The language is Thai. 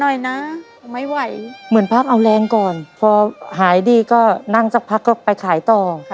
หน่อยนะไม่ไหวเหมือนพักเอาแรงก่อนพอหายดีก็นั่งสักพักก็ไปขายต่อ